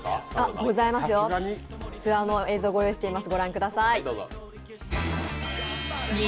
ツアーの映像、ご用意しています。